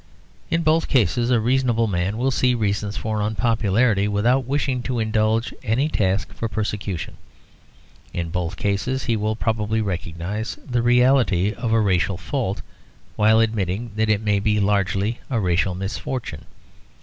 In both cases a reasonable man will see reasons for unpopularity, without wishing to indulge any task for persecution. In both cases he will probably recognise the reality of a racial fault, while admitting that it may be largely a racial misfortune.